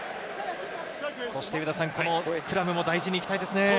スクラムも大事にいきたいですね。